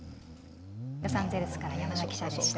ロサンゼルスから山田記者でした。